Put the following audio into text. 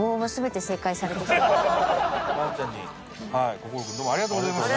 心君どうもありがとうございました。